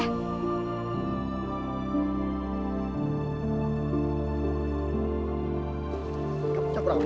kamu capur angus